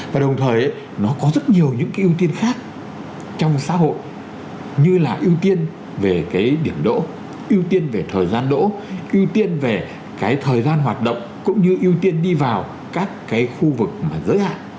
và đồng thời nó có rất nhiều những cái ưu tiên khác trong xã hội như là ưu tiên về cái điểm đỗ ưu tiên về thời gian đỗ ưu tiên về cái thời gian hoạt động cũng như ưu tiên đi vào các cái khu vực mà giới hạn